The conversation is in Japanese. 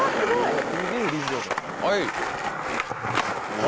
はい。